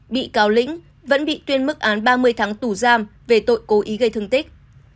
bị cáo lĩnh vẫn bị tuyên mức án ba mươi tháng tù giam về tội cố ý gây thương tích